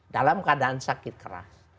dalam keadaan sakit keras